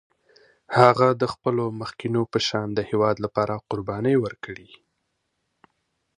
هغه د خپلو مخکینو په شان د هېواد لپاره قربانۍ وکړې.